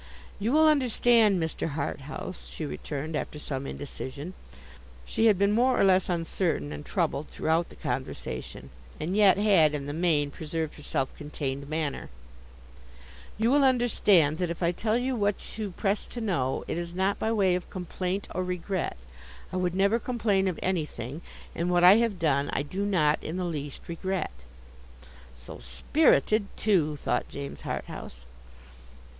'You will understand, Mr. Harthouse,' she returned, after some indecision: she had been more or less uncertain, and troubled throughout the conversation, and yet had in the main preserved her self contained manner; 'you will understand that if I tell you what you press to know, it is not by way of complaint or regret. I would never complain of anything, and what I have done I do not in the least regret.' 'So spirited, too!' thought James Harthouse.